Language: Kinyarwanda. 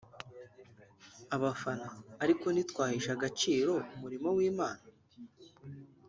abafana ariko ntitwahesha agaciro umurimo w’Imana